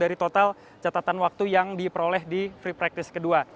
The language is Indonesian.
dari total catatan waktu yang diperoleh di free practice kedua